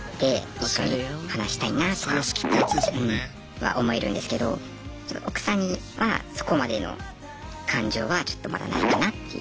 一緒に話したいなとか思えるんですけど奥さんにはそこまでの感情はちょっとまだないかなっていう。